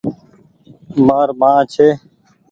مآر مان ڇي۔